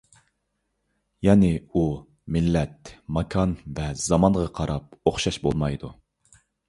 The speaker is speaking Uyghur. يەنى، ئۇ، مىللەت، ماكان ۋە زامانغا قاراپ ئوخشاش بولمايدۇ.